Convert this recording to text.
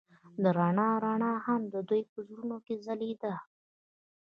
د رڼا رڼا هم د دوی په زړونو کې ځلېده.